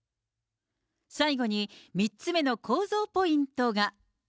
最後に、３つ目の公造ポイントが。